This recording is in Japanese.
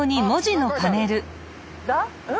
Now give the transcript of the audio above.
うん？